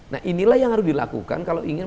nah inilah yang harus dilakukan kalau ingin